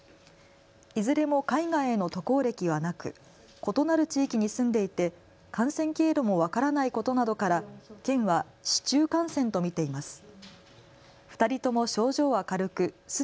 いずれも海外への渡航歴はなく異なる地域に住んでいて感染経路も分からないことなどから県は市中感染と見ています。